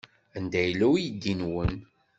Anda yella uydi-nwen?